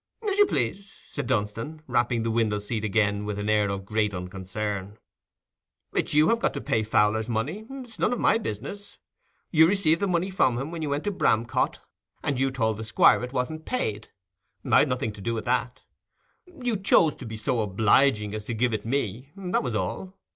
"As you please," said Dunstan, rapping the window seat again with an air of great unconcern. "It's you have got to pay Fowler's money; it's none of my business. You received the money from him when you went to Bramcote, and you told the Squire it wasn't paid. I'd nothing to do with that; you chose to be so obliging as to give it me, that was all.